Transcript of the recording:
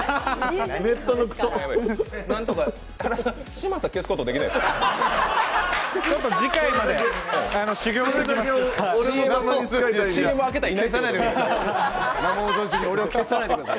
ＨＡＲＡさん、嶋佐消すことできないですか？